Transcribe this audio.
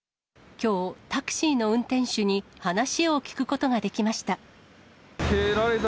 きょう、タクシーの運転手に話を聞くことができました。